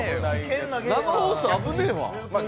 生放送危ねえわ。